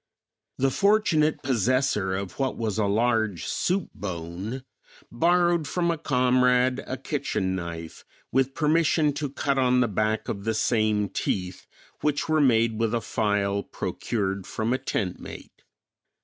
The fortunate possessor of what was a large soup bone borrowed from a comrade a kitchen knife with permission to cut on the back of the same teeth, which were made with a file procured from a tent mate.